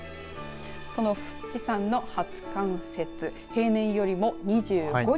その富士山の初冠雪平年よりも２５日。